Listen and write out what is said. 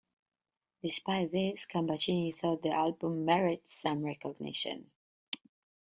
Despite this, Gambaccini thought the album "merits some recognition".